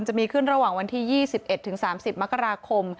จะมีขึ้นระหว่างวันที่๒๑๓๐มกราคม